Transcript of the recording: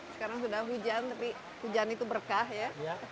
sekarang sudah hujan tapi hujan itu berkah ya